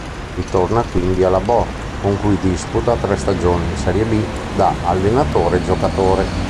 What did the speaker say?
Ritorna quindi alla Bor, con cui disputa tre stagioni in serie B da allenatore-giocatore.